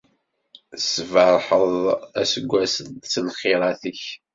Tesserbaḥeḍ aseggas s lxirat-ik.